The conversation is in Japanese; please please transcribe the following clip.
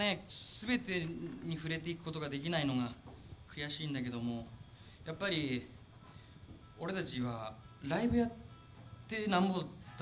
全てに触れていくことができないのが悔しいんだけどもやっぱり俺たちはライブやってなんぼだと思っていますから